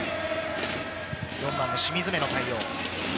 ４番の清水目の対応。